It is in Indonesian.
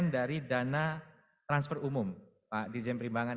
dua dari dana transfer umum pak di jemprimbangan